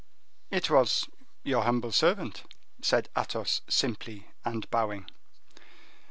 "It was your humble servant," said Athos, simply, and bowing.